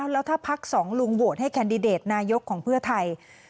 แล้วถ้าพักสองลุงโหวตให้แคนดิเดตนายกของเพื่อไทย